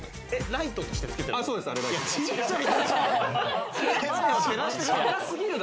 ライトとしてつけてる？